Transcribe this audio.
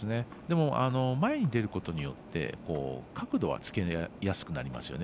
前に出ることによって角度はつけやすくなりますよね